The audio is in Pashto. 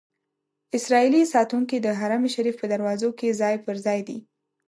اسرائیلي ساتونکي د حرم شریف په دروازو کې ځای پر ځای دي.